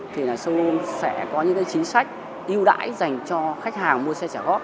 showroom sẽ có những chính sách ưu đãi dành cho khách hàng mua xe trả góp